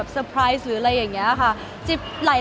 คือบอกเลยว่าเป็นครั้งแรกในชีวิตจิ๊บนะ